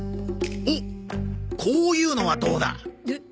おっこういうのはどうだ？